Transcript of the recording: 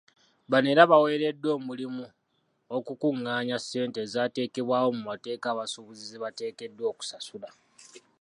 Bano era baweereddwa omulimu okukungaanya ssente ezaateekebwawo mu mateeka abasuubuzi ze bateekeddwa okusasula.